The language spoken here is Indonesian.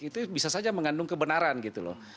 itu bisa saja mengandung kebenaran gitu loh